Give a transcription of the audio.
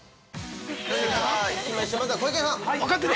◆行きましょう、まずは小池さん。